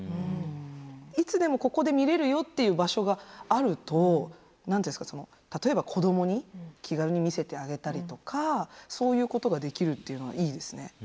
いつでもここで見れるよっていう場所があると例えば子どもに気軽に見せてあげたりとかそういうことができるっていうのはいいですね。